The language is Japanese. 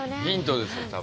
ヒントですよ